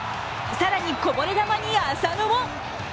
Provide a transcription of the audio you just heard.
更に、こぼれ球に浅野も。